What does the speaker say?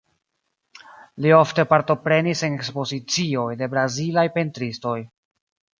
Li ofte partoprenis en ekspozicioj de brazilaj pentristoj.